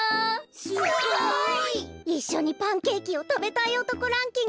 すごい！いっしょにパンケーキをたべたいおとこランキング